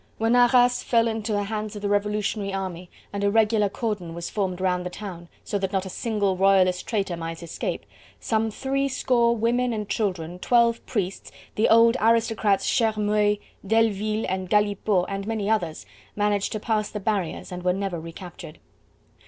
When Arras fell into the hands of the Revolutionary army, and a regular cordon was formed round the town, so that not a single royalist traitor might escape, some three score women and children, twelve priests, the old aristocrats Chermeuil, Delleville and Galipaux and many others, managed to pass the barriers and were never recaptured.